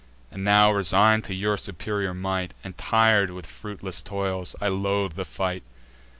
And now, resign'd to your superior might, And tir'd with fruitless toils, I loathe the fight.